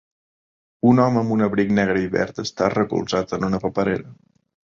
Un home amb un abric negre i verd està recolzat en una paperera.